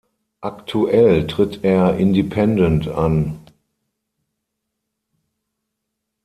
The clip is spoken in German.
Aktuell tritt er Independent an.